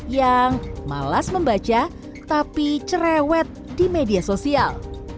yang malas membaca tapi cerewet di media sosial